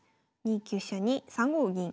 ２九飛車に３五銀。